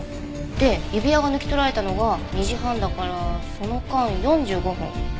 で指輪が抜き取られたのが２時半だからその間４５分。